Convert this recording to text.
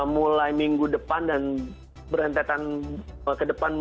mulai minggu depan dan berentetan ke depan